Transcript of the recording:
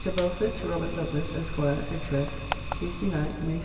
BELFORD, TO ROBERT LOVELACE, ESQ. EDGWARE, TUESDAY NIGHT, MAY 2.